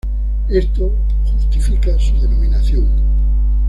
Esto justifica su denominación.